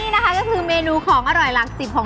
เพราะว่าผักหวานจะสามารถทำออกมาเป็นเมนูอะไรได้บ้าง